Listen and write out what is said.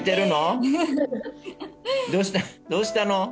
どうしたの？